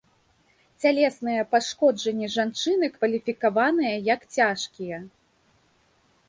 Цялесныя пашкоджанні жанчыны кваліфікаваныя як цяжкія.